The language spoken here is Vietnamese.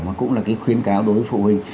mà cũng là khuyến cáo đối với phụ huynh